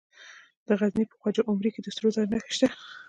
د غزني په خواجه عمري کې د سرو زرو نښې شته.